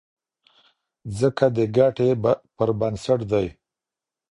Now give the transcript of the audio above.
ځکه د ګټې پر بنسټ دی.